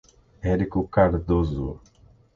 Érico Cardoso